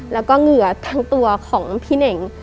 แล้วก็เหงื่อทั้งตัวของพี่เน่ง